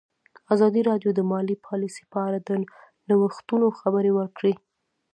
ازادي راډیو د مالي پالیسي په اړه د نوښتونو خبر ورکړی.